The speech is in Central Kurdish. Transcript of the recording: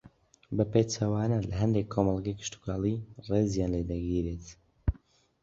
بە پێچەوانە لە ھەندێک کۆمەڵگەی کشتوکاڵی ڕێزیان لێدەگیرێت